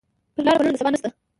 پر لاره پلونه د سبا نشته